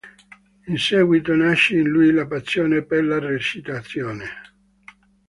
In seguito nasce in lui la passione per la recitazione.